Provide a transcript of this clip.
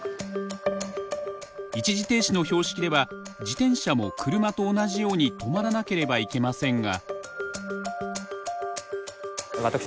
一時停止の標識では自転車も車と同じように止まらなければいけませんが。